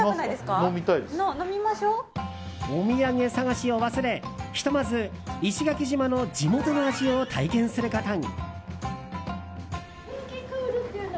お土産探しを忘れひとまず石垣島の地元の味を体験することに。